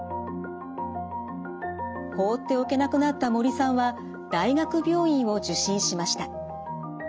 放っておけなくなった森さんは大学病院を受診しました。